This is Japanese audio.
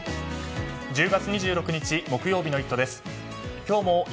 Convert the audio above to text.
１０月２６日、木曜日の「イット！」